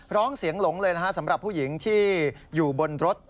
ร้องเสียงหลงเลยนะฮะสำหรับผู้หญิงที่อยู่บนรถ